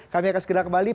kami akan segera kembali